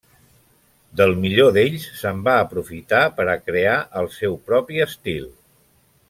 Del millor d'ells se'n va aprofitar per a crear el seu propi estil.